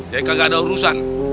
jadi kaga ada urusan